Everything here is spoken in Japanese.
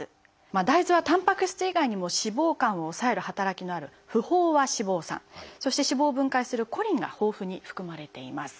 大豆はたんぱく質以外にも脂肪肝を抑える働きのある不飽和脂肪酸そして脂肪を分解するコリンが豊富に含まれています。